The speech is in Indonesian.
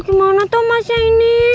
gimana tuh masnya ini